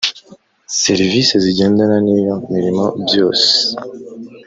serivisi zigendana n iyo mirimo byose